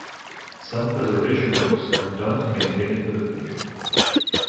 Some preservation works are done to maintain it for the future.